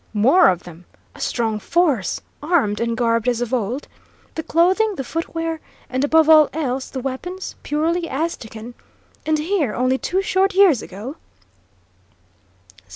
"More of them? A strong force? Armed, and garbed as of old? The clothing, the footwear, and, above all else, the weapons, purely Aztecan? And here, only two short years ago?"